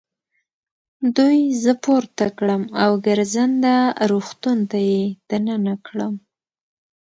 دوی زه پورته کړم او ګرځنده روغتون ته يې دننه کړم.